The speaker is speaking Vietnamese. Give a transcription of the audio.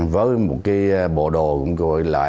với một cái bộ đồ